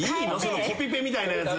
そのコピペみたいなやつ。